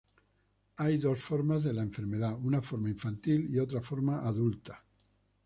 Hay dos formas de la enfermedad, una forma infantil y otra forma adulta.